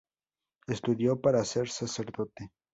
Estudió para ser sacerdote.